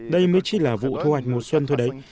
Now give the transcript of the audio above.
đây mới chỉ là vụ thu hoạch mùa xuân thôi đấy